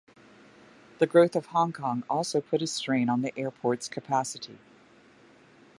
The growth of Hong Kong also put a strain on the airport's capacity.